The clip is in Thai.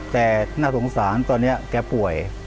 แต่น่าสงสารตอนนี้แกป่วย